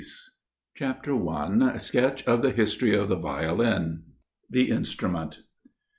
SKETCH OF THE HISTORY OF THE VIOLIN. The Instrument.